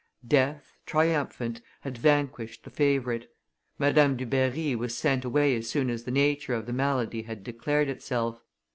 Death, triumphant, had vanquished the favorite. Madame Dubarry was sent away as soon as the nature of the malady had declared itself.